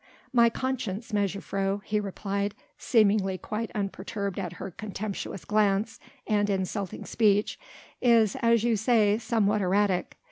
"My conscience, mejuffrouw," he replied, seemingly quite unperturbed at her contemptuous glance and insulting speech, "is, as you say, somewhat erratic.